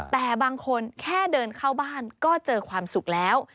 แต่บางคนแค่เดินเข้าบ้านก็เจอความสุขแล้ว